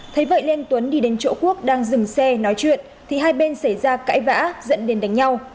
thấy vậy nên tuấn đi đến chỗ quốc đang dừng xe nói chuyện thì hai bên xảy ra cãi vã dẫn đến đánh nhau